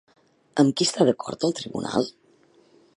Amb qui està d'acord el Tribunal?